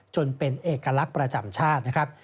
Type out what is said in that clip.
จนเป็นเอกลักษณ์ประจำชาตินะครับ